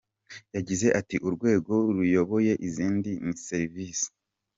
Yagize ati “Urwego ruyoboye izindi ni serivisi.